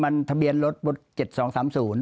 มันทะเบียนรถ๗๒๓๐